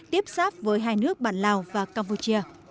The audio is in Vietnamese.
tiếp sáp với hai nước bản lào và campuchia